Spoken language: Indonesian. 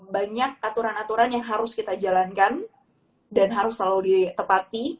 banyak aturan aturan yang harus kita jalankan dan harus selalu ditepati